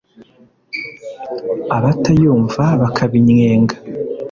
abatayumva bakabinnyenga